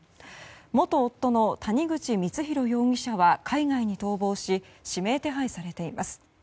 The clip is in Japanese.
元夫の谷口光弘容疑者は海外に逃亡し指名手配されています。